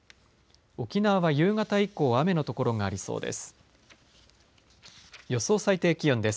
沖縄は夕方以降雨の所がありそうです。